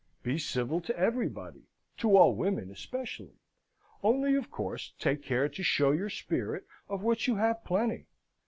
Be civil to everybody to all women especially. Only of course take care to show your spirit, of which you have plenty.